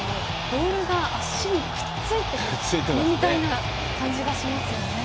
ボールが足にくっついているみたいな感じがしますよね。